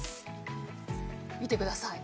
見てください。